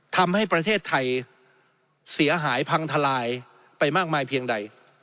ทำให้ประเทศไทยเสียหายพังทลายไปมากมายเพียงใด